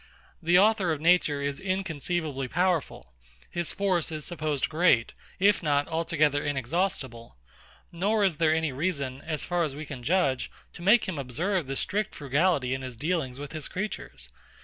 The Author of Nature is inconceivably powerful: his force is supposed great, if not altogether inexhaustible: nor is there any reason, as far as we can judge, to make him observe this strict frugality in his dealings with his creatures.